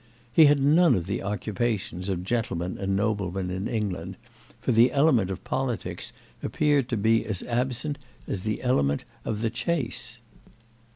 He had none of the occupations of gentlemen and noblemen in England, for the element of politics appeared to be as absent as the element of the chase.